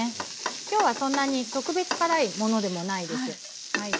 今日はそんなに特別辛いものでもないです。